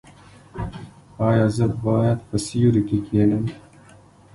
ایا زه باید په سیوري کې کینم؟